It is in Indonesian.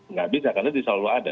nggak bisa karena selalu ada